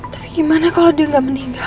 tapi gimana kalau dia nggak meninggal